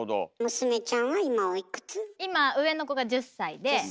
娘ちゃんは今おいくつ？